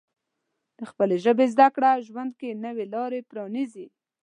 د خپلې ژبې زده کړه ژوند کې نوې لارې پرانیزي.